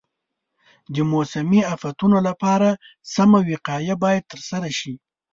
د موسمي افتونو لپاره سمه وقایه باید ترسره شي.